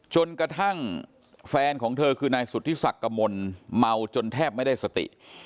จนกระทั่งแฟนของเธอคือนายสุธิศักดิ์กมลเมาจนแทบไม่ได้สติ